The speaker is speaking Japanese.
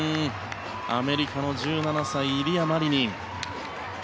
アメリカの１７歳イリア・マリニン。